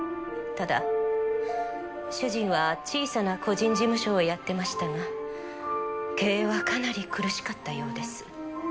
ただ主人は小さな個人事務所をやってましたが経営はかなり苦しかったようです。